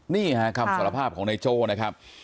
นี่ฮะคำสารภาพของนายโจ้นะครับ